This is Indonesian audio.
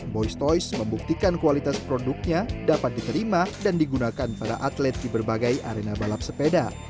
⁇ ys ⁇ toys membuktikan kualitas produknya dapat diterima dan digunakan para atlet di berbagai arena balap sepeda